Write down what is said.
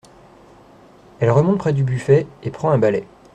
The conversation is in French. Elle remonte près du buffet et prend un balai.